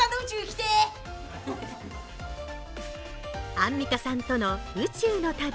アンミカさんとの宇宙の旅。